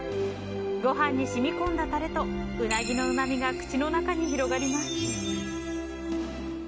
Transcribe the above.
ご飯に染み込んだタレとウナギのうまみが口の中に広がります。